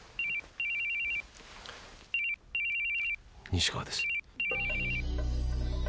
西川です。